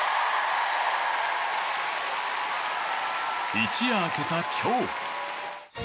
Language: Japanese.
一夜明けた今日。